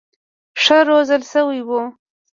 ښه روزل شوي وو.